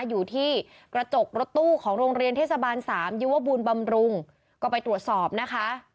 อยู่ที่กระจกรถตู้ของโรงเรียนเทศบาลสามยุวบูรบำรุงก็ไปตรวจสอบนะคะ